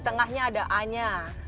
tengahnya ada a nya